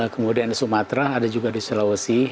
kemudian di sumatera ada juga di sulawesi